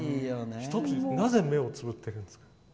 なぜ目をつぶってるんですか？